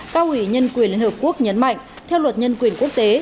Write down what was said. cao ủy nhân quyền liên hợp quốc nhấn mạnh theo luật nhân quyền quốc tế